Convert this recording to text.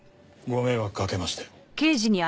ご迷惑かけまして。